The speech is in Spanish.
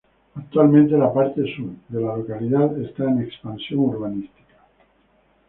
Actualmente, la parte sur de la localidad está en expansión urbanística.